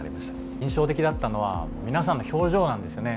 印象的だったのは皆さんの表情なんですよね。